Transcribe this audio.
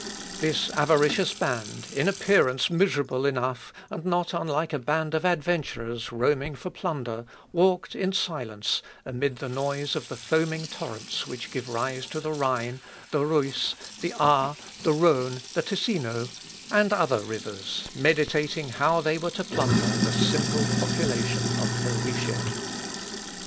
This avaricious band, in appearance miserable enough, and not unlike a band of adventurers roaming for plunder, walked in silence, amid the noise of the foaming torrents which give rise to the Rhine, the Reuss, the Aar, the Rhone, the Tessino, and other rivers, meditating how they were to plunder the simple population of Helvetia.